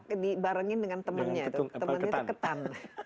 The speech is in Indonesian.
dibarengin dengan temannya itu ketan